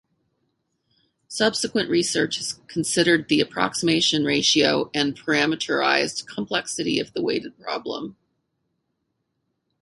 Subsequent research has considered the approximation ratio and parameterized complexity of the weighted problem.